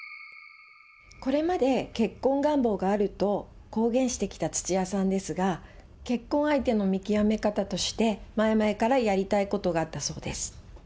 これまで、結婚願望があると公言してきた土屋さんですが、結婚相手の見極め方として、前々からやりたいことがあったそうです。